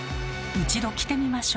一度着てみましょう。